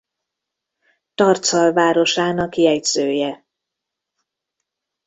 Tarcal városának jegyzője.